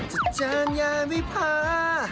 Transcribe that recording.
จ้านยังมิภา